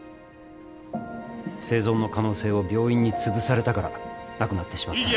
生存の可能性を病院につぶされたから亡くなってしまった。